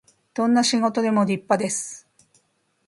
どんな仕事でも立派です